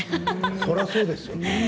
それはそうですよね。